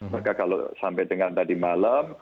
maka kalau sampai dengan tadi malam